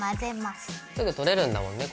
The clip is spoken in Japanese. すぐ取れるんだもんね